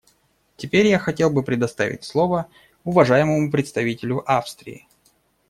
Теперь я хотел бы предоставить слово уважаемому представителю Австрии.